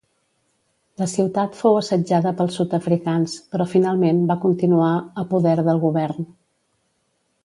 La ciutat fou assetjada pels sud-africans, però finalment va continuar a poder del govern.